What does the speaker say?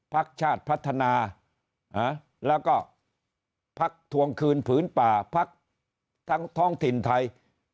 พักชาติพัฒนาแล้วก็พักทวงคืนผืนป่าพักทั้งท้องถิ่นไทย